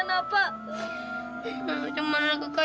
cuma anak anak kaya doang yang belum masuk